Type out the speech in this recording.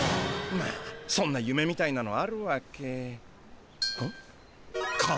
まあそんなゆめみたいなのあるわけ。